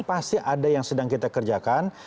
pasti ada yang sedang kita kerjakan